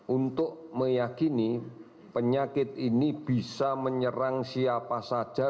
untuk meyakini penyakit ini bisa menyerang siapa saja